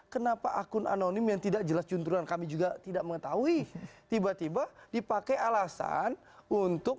kenapa akun anonim yang tidak jelas cunturan kami juga tidak mengetahui tiba tiba dipakai alasan untuk